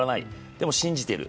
でも信じている。